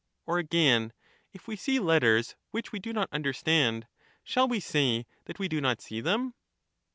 Or again, if we see letters which we do not coiou«, understand, shall we say that we do not see them